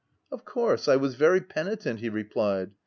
" Of course, I was very penitent/' he replied.